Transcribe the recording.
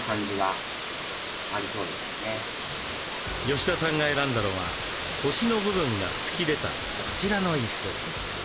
吉田さんが選んだのは腰の部分が突き出たこちらの椅子。